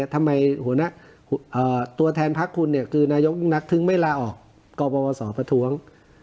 ทำไมตัวแทนพระคุณคือนายกนักถึงไม่ลาออกก็ประวัติศาสตร์ประท้วง